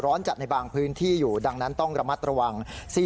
จัดในบางพื้นที่อยู่ดังนั้นต้องระมัดระวัง